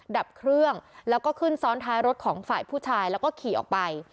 ดับเครื่องแล้วก็ขึ้นซ้อนท้ายรถของฝ่ายผู้ชายแล้วก็ขี่ออกไป